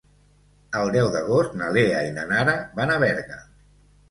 El deu d'agost na Lea i na Nara van a Berga.